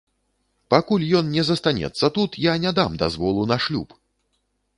Пакуль ён не застанецца тут, я не дам дазволу на шлюб!